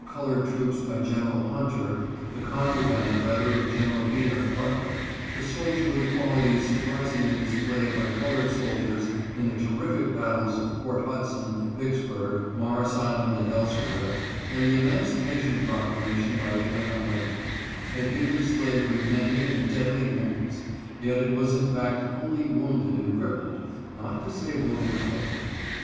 colored troops by Gen. Hunter, the " Contraband " letter of Gen. B. F. Butler, the soldierly qualities surprisingly displayed by colored soldiers in the terrific battles of Port Hudson, Vicksburg, Morris Island and elsewhere and the Emancipation proclamation by Abraham Lincoln, had given slavery many and deadly wounds, yet it was in fact only wounded and crippled, not disabled and killed.